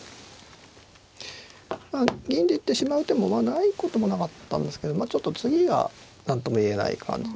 銀で行ってしまう手もまあないこともなかったんですけどちょっと次が何とも言えない感じ。